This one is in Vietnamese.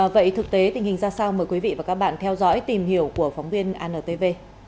vậy thực tế tình hình ra sao mời quý vị và các bạn theo dõi tìm hiểu của phóng viên antv